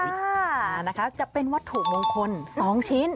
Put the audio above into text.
อ่านะคะจะเป็นวัตถุมงคล๒ชิ้น